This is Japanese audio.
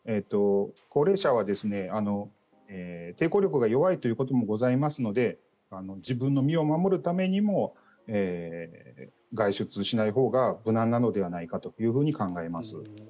高齢者は抵抗力が弱いということもございますので自分の身を守るためにも外出しないほうが無難なのではないかと考えます。